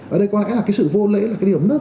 ở đây có lẽ là cái sự vô lễ là cái điều